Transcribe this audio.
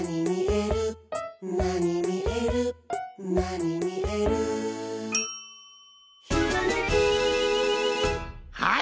「なにみえるなにみえる」「ひらめき」はい！